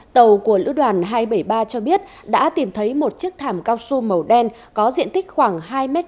tàu của lữ đoàn hai trăm bảy mươi ba cho biết đã tìm thấy một chiếc thảm cao su màu đen có diện tích khoảng hai m hai